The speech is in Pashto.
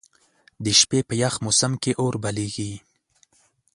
د شپې په یخ موسم کې اور بليږي.